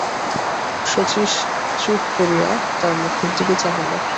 শচীশ চুপ করিয়া তার মুখের দিকে চাহিল।